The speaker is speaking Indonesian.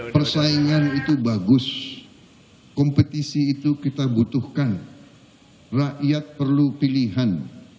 persaingan itu bagus kompetisi itu kita butuhkan rakyat perlu pilihan